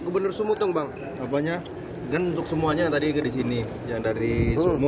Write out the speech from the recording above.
berarti udah tinggal limpa kartu